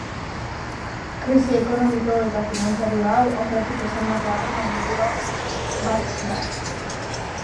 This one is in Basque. Krisi ekonomiko eta finantzario hau aurretik esandakoaren ondorioa bat da.